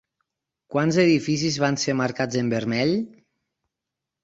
Quants edificis van ser marcats en vermell?